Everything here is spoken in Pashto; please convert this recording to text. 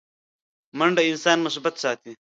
منډه انسان مثبت ساتي